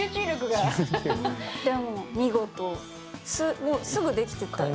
でも見事、すぐできてたよね